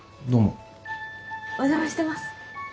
お邪魔してます。